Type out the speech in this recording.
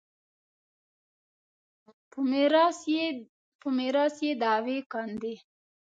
په میراث یې دعوې کاندي.